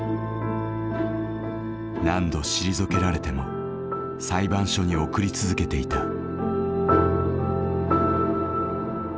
何度退けられても裁判所に送り続けていた。